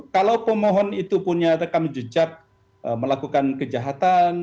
kalau pemohon itu punya rekam jejak melakukan kejahatan